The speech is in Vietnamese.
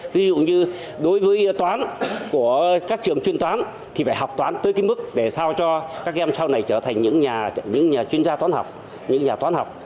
ví dụ như đối với toán của các trường chuyên toán thì phải học toán tới mức để sao cho các em sau này trở thành những nhà chuyên gia toán học